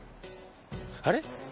あれ？